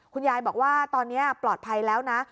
คุณยายบอกว่าตอนนี้ปลอดภัยแล้วนะ